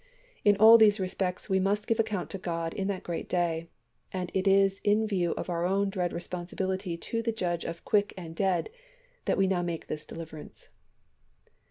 . In all these respects we must give account to God in that great day, and it is in view of our own dread responsibility to the Judge of quick and dead that we now make this deliverance.